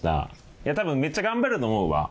いや多分めっちゃ頑張れると思うわ。